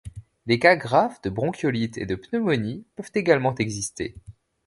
Des cas graves de bronchiolites et de pneumonies peuvent également exister.